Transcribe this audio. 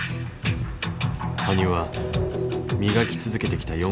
羽生は磨き続けてきた